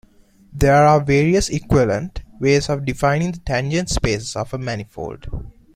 There are various equivalent ways of defining the tangent spaces of a manifold.